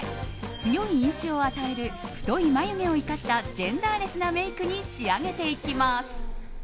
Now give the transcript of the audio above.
強い印象を与える太い眉毛を生かしたジェンダーレスなメイクに仕上げていきます。